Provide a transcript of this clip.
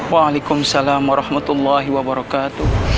waalaikumsalam warahmatullahi wabarakatuh